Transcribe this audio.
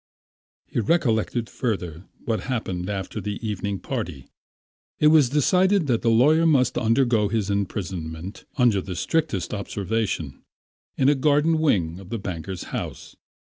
He recollected further what happened after the evening party. It was decided that the lawyer must undergo his imprisonment under the strictest observation, in a garden wing of the banker's house.